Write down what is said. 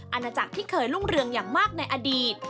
อาณาจักรที่เคยรุ่งเรืองอย่างมากในอดีต